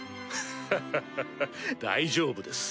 ハハハハ大丈夫です。